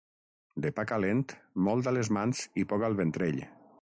De pa calent, molt a les mans i poc al ventrell.